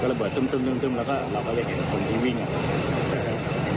ก็ระเบิดซึมซึมซึมแล้วเราก็เลยเห็นคนที่วิ่ง